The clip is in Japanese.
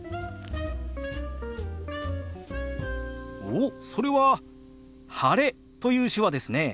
おっそれは「晴れ」という手話ですね。